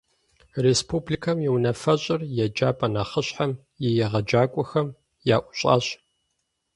Республикэм и Унафэщӏыр еджапӏэ нэхъыщхьэм и егъэджакӏуэхэм яӏущӏащ.